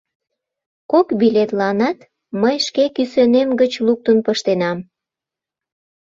Кок билетланат мый шке кӱсенем гыч луктын пыштенам.